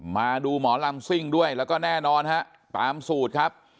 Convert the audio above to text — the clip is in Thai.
มาดูหมอลำซิ่งด้วยแล้วก็แน่นอนฮะตามสูตรครับ